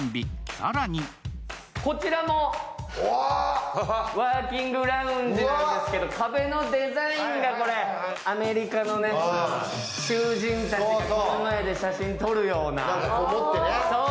更にこちらもワーキングラウンジなんですけど、壁のデザインがアメリカの囚人たちがこの前で写真を撮るような。